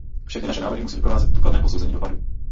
Všechny naše návrhy musí doprovázet důkladné posouzení dopadů.